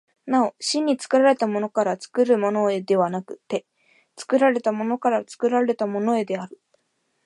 なお真に作られたものから作るものへではなくて、作られたものから作られたものへである。